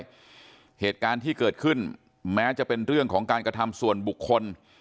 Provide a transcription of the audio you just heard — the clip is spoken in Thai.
เหตุการณ์ที่เกิดขึ้นแม้จะเป็นเรื่องของการกระทำส่วนบุคคล